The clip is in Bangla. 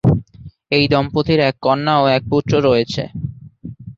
এই দম্পতির এক কন্যা ও এক পুত্র রয়েছে।